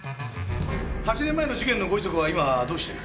８年前の事件のご遺族は今どうしてる？